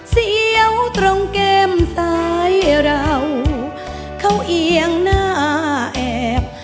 เสียวตรงแก้มซ้ายเราเขาเอียงหน้าแอบ